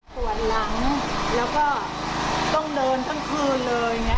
ปวดหลังแล้วก็ต้องเดินทั้งคืนเลย